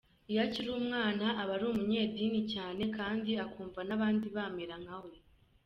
Iyo akiri umwana aba ari umunyedini cyane kandi akumva n’abandi bamera nkawe.